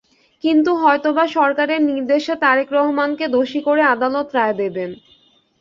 কিন্তু হয়তো-বা সরকারের নির্দেশে তারেক রহমানকে দোষী করে আদালত রায় দেবেন।